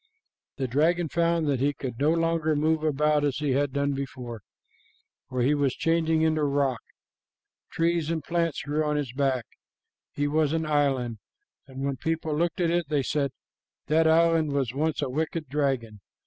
"The dragon found that he could no longer move about as he had done, for he was changing into rock. Trees and plants grew on his back. He was an island, and when people looked at it, they said, 'That island was once a wicked dragon.'